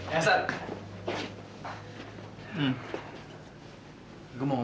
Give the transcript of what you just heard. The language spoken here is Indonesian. ya ketiga hari dulu